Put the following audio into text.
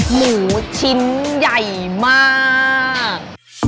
หมูชิ้นใหญ่มาก